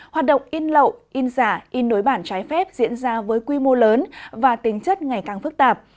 hoạt động in lậu in giả in đối bản trái phép diễn ra với quy mô lớn và tính chất ngày càng phức tạp